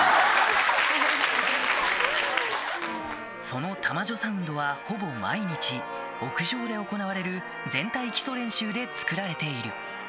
その玉女サウンドはほぼ毎日屋上で行われる全体基礎練習で作られている